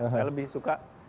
saya lebih suka